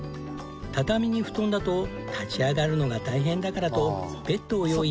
畳に布団だと立ち上がるのが大変だからとベッドを用意。